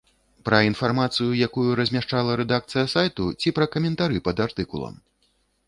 Пра інфармацыю, якую размяшчала рэдакцыя сайту, ці пра каментары пад артыкулам?